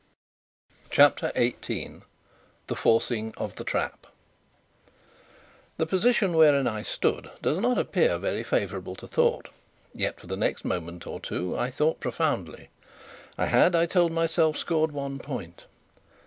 CHAPTER 18 The Forcing of the Trap The position wherein I stood does not appear very favourable to thought; yet for the next moment or two I thought profoundly. I had, I told myself, scored one point.